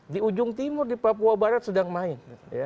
di ujung timur di papua barat sedang main